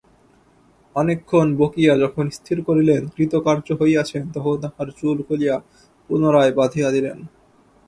অনেকক্ষণ বকিয়া যখন স্থির করিলেন কৃতকার্য হইয়াছেন তখন তাহার চুল খুলিয়া পুনরায় বাঁধিয়া দিলেন।